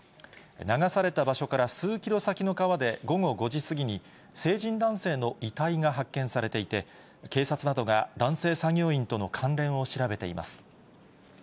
流された場所から数キロ先の川で午後５時過ぎに、成人男性の遺体が発見されていて、警察などが男性作業員との関連を調べています。